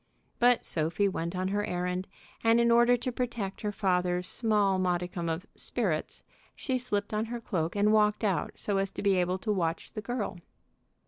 But Sophie went on her errand, and in order to protect her father's small modicum of "sperrits" she slipped on her cloak and walked out so as to be able to watch the girl.